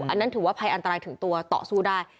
อันนั้นถือว่าภัยอันตรายถึงตัวต่อสู้ได้